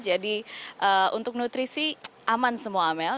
jadi untuk nutrisi aman semua amel